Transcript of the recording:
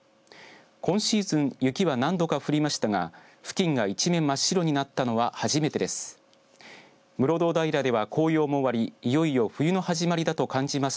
今シーズン雪は何度か降りましたが付近が一面真っ白になったのは初めてです。